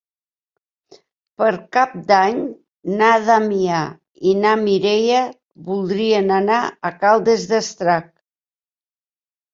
Per Cap d'Any na Damià i na Mireia voldrien anar a Caldes d'Estrac.